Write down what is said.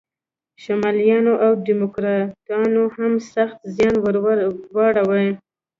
شمالیانو او دیموکراتانو هم سخت زیان ور واړاوه.